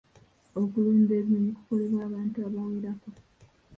Okulunda ebinyonyi kukolebwa abantu abawerako.